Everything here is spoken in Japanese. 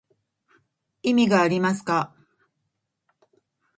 意味がありますか